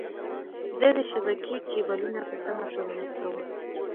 زه د شبکې کیبلونه په سمه توګه نصبووم.